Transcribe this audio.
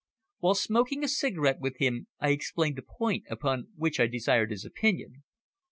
While smoking a cigarette with him, I explained the point upon which I desired his opinion.